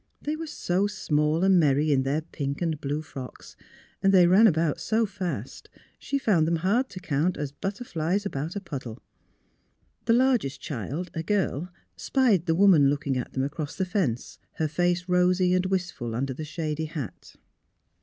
They were so small and merry in their pink and blue frocks, and they ran about so fast, she found them hard to count as butterflies about a puddle. The largest child — a girl — spied the woman looking at them across the fence, her face rosy and wistful under the shady hat.